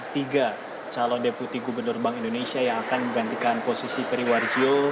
tiga calon deputi gubernur bank indonesia yang akan menggantikan posisi periwarjo